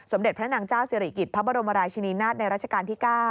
เด็จพระนางเจ้าสิริกิจพระบรมราชินีนาฏในราชการที่๙